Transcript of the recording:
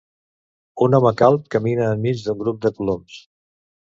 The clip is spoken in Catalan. Un home calb camina enmig d'un grup de coloms.